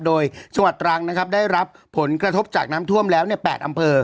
โดยจังหวัดตรังนะครับได้รับผลกระทบจากน้ำท่วมแล้ว๘อำเภอ